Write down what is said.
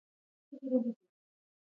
آب وهوا د افغانانو د ژوند طرز اغېزمنوي.